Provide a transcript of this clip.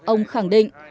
ông khẳng định